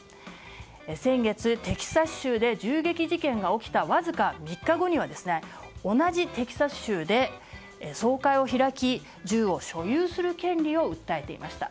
先月、テキサス州で銃撃事件が起きたわずか３日後には同じテキサス州で総会を開き、銃を所有する権利を訴えていました。